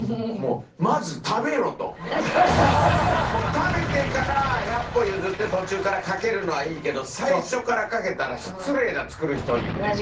食べてから百歩譲って途中からかけるのはいいけど最初からかけたら失礼だ作る人にっていって。